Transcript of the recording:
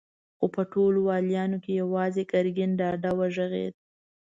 خو په ټولو واليانو کې يواځې ګرګين ډاډه وغږېد.